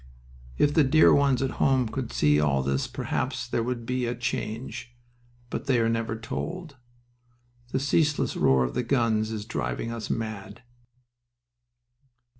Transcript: "If the dear ones at home could see all this perhaps there would be a change. But they are never told." "The ceaseless roar of the guns is driving us mad."